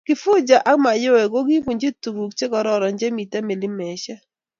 kifuja ak mayowe ko kibunji tuguk che kororon che mito milimesheck